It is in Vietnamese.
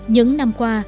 những năm qua